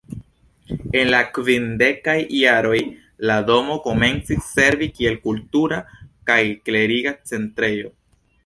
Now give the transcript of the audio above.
En la kvindekaj jaroj la domo komencis servi kiel kultura kaj kleriga centrejo.